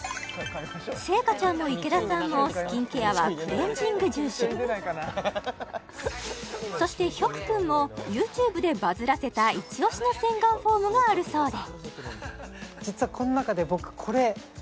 星夏ちゃんも池田さんもスキンケアはクレンジング重視そしてヒョク君もＹｏｕＴｕｂｅでバズらせたイチオシの洗顔フォームがあるそうでえっ